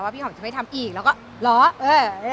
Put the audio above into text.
ว่าพี่หอมจะไม่ทำอีกแล้วก็หรอเอ่อเอ่อ